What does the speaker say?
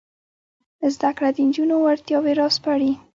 زده کړه د نجونو وړتیاوې راسپړي.